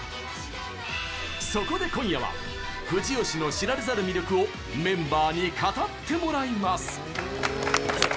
そこで今夜は藤吉の知られざる魅力をメンバーに語ってもらいます。